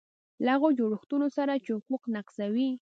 له هغو جوړښتونو سره چې حقوق نقضوي.